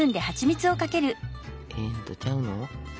ええんとちゃうの。